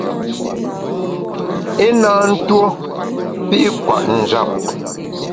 I na ntuo pi’ kwet njap.